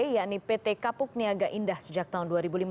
yakni pt kapuk niaga indah sejak tahun dua ribu lima belas